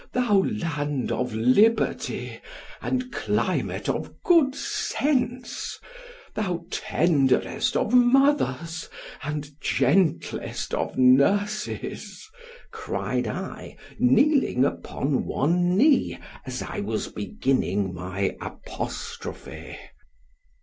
_ thou land of liberty, and climate of good sense, thou tenderest of mothers—and gentlest of nurses, cried I, kneeling upon one knee, as I was beginning my apostrophè.